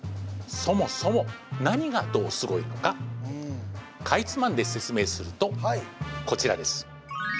そもそも何がどうすごいのかかいつまんで説明するとこちらです